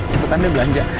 cepetan deh belanja